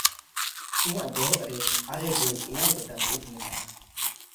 ᱤᱧᱟᱜ ᱵᱚᱦᱚᱜ ᱨᱮ ᱟᱨᱮ ᱜᱮᱞ ᱮᱭᱟᱭ ᱜᱚᱴᱟᱝ ᱩᱵ ᱢᱮᱱᱟᱜᱼᱟ᱾